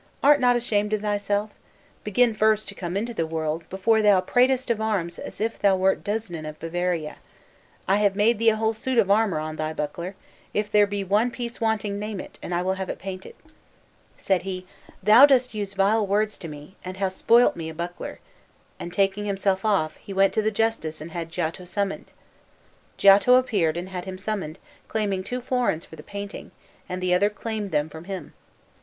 Art not ashamed of thyself? Begin first to come into the world before thou pratest of arms as if thou wert Dusnam of Bavaria. I have made thee a whole suit of armour on thy buckler; if there be one piece wanting, name it, and I will have it painted.' Said he, 'Thou dost use vile words to me, and hast spoilt me a buckler;' and taking himself off, he went to the justice and had Giotto summoned. Giotto appeared and had him summoned, claiming two florins for the painting, and the other claimed them from him.